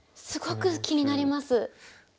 すごく気になります。